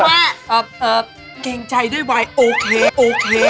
เอ่อเอ่อเกรงใจด้วยว่าโอเคโอเคโอเค